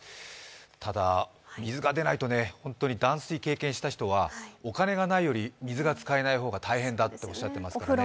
ただ、水が出ないと、本当に断水を経験した人はお金がないより、水が使えない方が大変だとおっしゃっていますからね。